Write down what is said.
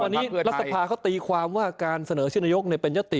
พอวันนี้รัฐสรรพาเขาตีกว่าการเสนอชื่นนยกเป็นญาติ